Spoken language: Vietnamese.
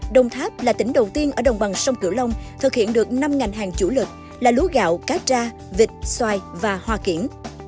đông tháp là tỉnh đầu tiên ở đồng băng sông kiểu long thực hiện được năm ngành hàng chủ lực là lúa gạo cá tra vịt xoài và hoa kiển